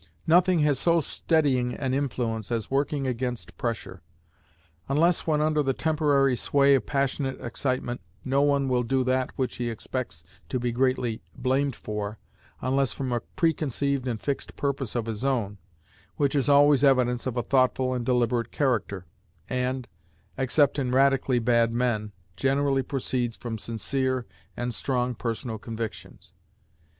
Nothing has so steadying an influence as working against pressure. Unless when under the temporary sway of passionate excitement, no one will do that which he expects to be greatly blamed for, unless from a preconceived and fixed purpose of his own, which is always evidence of a thoughtful and deliberate character, and, except in radically bad men, generally proceeds from sincere and strong personal convictions.